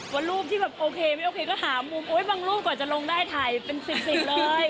ว่ารูปที่แบบโอเคไม่โอเคก็หามุมโอ๊ยบางรูปกว่าจะลงได้ถ่ายเป็นสิบสิบเลย